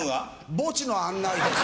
墓地の案内です。